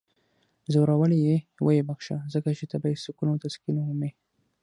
ځورولی یی یې؟ ویې بخښه. ځکه چی ته باید سکون او تسکین ومومې!